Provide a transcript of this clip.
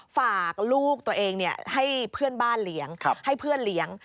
ฝากลูกตัวเองให้เพื่อนบ้านเลี้ยงให้เพื่อนเลี้ยง